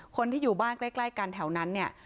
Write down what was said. คนที่อยู่บ้านใกล้กันแถวนั้นเนี่ย